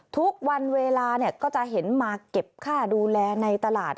ทุกวันเวลาก็จะเห็นมาเก็บค่าดูแลในตลาด